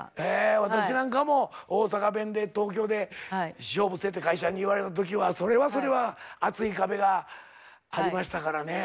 私なんかも「大阪弁で東京で勝負せえ」って会社に言われた時はそれはそれは厚い壁がありましたからね。